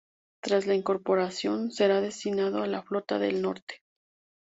Tras la incorporación, será destinado a la Flota del Norte.